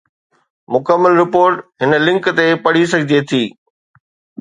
مڪمل رپورٽ هن لنڪ تي پڙهي سگهجي ٿي.